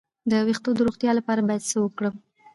د ویښتو د روغتیا لپاره باید څه وکړم؟